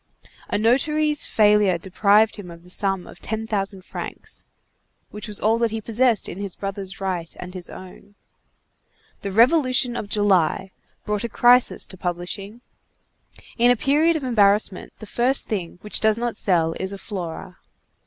A notary's failure deprived him of the sum of ten thousand francs, which was all that he possessed in his brother's right and his own. The Revolution of July brought a crisis to publishing. In a period of embarrassment, the first thing which does not sell is a _Flora.